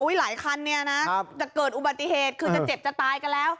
หลายคันเนี่ยนะจะเกิดอุบัติเหตุคือจะเจ็บจะตายกันแล้ว